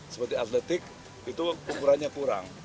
seperti atletik itu ukurannya kurang